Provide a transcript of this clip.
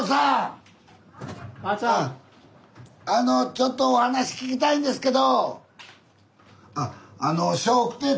あのちょっとお話聞きたいんですけど。